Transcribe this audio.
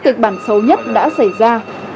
kịch bản xấu nhất đã xảy ra